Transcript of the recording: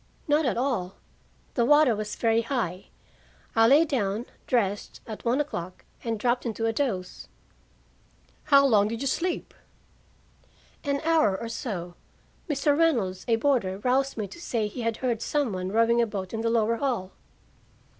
"Not at all. The water was very high. I lay down, dressed, at one o'clock, and dropped into a doze." "How long did you sleep?" "An hour or so. Mr. Reynolds, a boarder, roused me to say he had heard some one rowing a boat in the lower hall."